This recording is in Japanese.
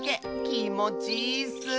きもちいいッス！